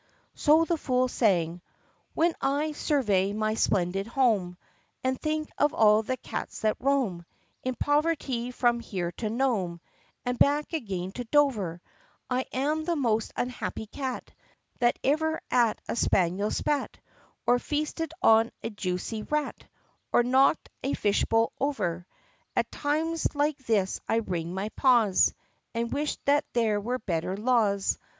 So the fool sang: "When I survey my splendid home And think of all the cats that roam In poverty from here to Nome And back again to Dover, I am the most unhappy cat That ever at a spaniel spat, Or feasted on a juicy rat, Or knocked a fish bowl over. At times like this I wring my paws And wish that there were better laws.